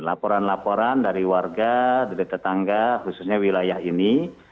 laporan laporan dari warga dari tetangga khususnya wilayah ini